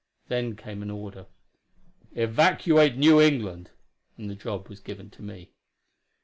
There came an order: "Evacuate New England," and the job was given to me.